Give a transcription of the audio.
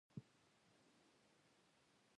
وګړي د افغانستان یوه طبیعي ځانګړتیا ده.